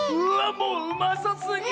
もううまそすぎ！